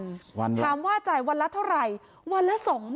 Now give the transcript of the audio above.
คำว่าจ่ายวันละเท่าไหร่วันละ๒๐๐๐๐๐บาท